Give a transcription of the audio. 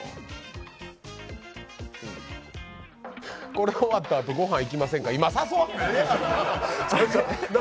これ終わったあとご飯行きませんか、今、誘うな！